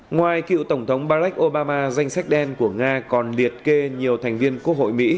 ngoài cựu tổng thống barack obama danh sách đen của nga còn liệt kê nhiều thành viên quốc hội mỹ